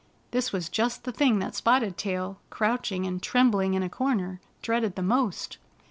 This was just the thing that Spotted Tail, crouching and trembling in a comer, dreaded the most.